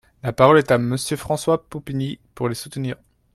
La parole est à Monsieur François Pupponi, pour les soutenir.